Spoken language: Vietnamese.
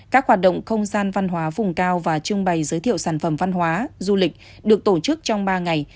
các hoạt động không gian văn hóa vùng cao và trưng bày giới thiệu sản phẩm văn hóa du lịch được tổ chức trong ba ngày